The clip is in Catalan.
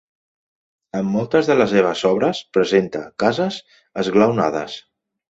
En moltes de les seves obres presenta cases esglaonades.